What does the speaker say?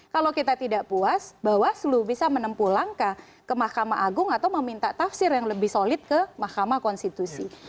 kalau kita tidak puas bawaslu bisa menempuh langkah ke mahkamah agung atau meminta tafsir yang lebih solid ke mahkamah konstitusi